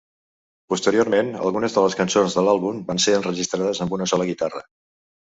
Posteriorment, algunes de les cançons de l'àlbum van ser enregistrades amb una sola guitarra.